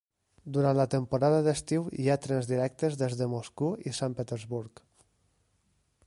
Durant la temporada d'estiu hi ha trens directes des de Moscou i Sant Petersburg.